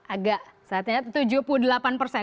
agak saatnya tujuh puluh delapan persen